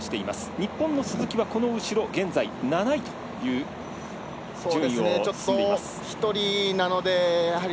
日本の鈴木はこの後ろ、現在７位という順位を進んでいます。